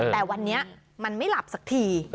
แต่วันนี้มันไม่หลับสักที